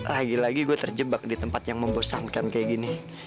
lagi lagi gue terjebak di tempat yang membosankan kayak gini